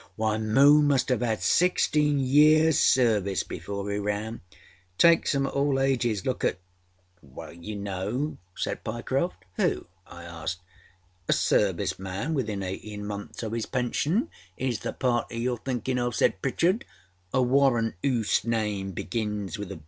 âWhy Moon must âave âad sixteen yearsâ service before he ran.â âIt takes âem at all ages. Look atâyou know,â said Pyecroft. âWho?â I asked. âA service man within eighteen months of his pension, is the party youâre thinkinâ of,â said Pritchard. âA warrant âoose name begins with a V.